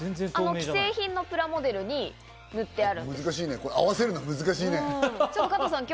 既製品のプラモデルに塗ってある。